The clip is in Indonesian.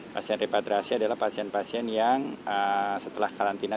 pasien repatriasi adalah pasien pasien yang setelah karantina